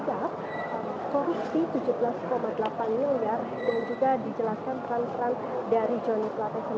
kemudian platih ini juga ditugas korupsi rp tujuh belas delapan miliar dan juga dijelaskan peran peran dari jepang